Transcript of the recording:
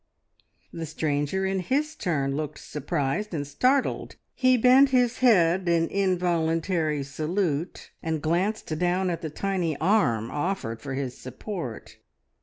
The stranger in his turn looked surprised and startled; he bent his head in involuntary salute, and glanced down at the tiny arm offered for his support.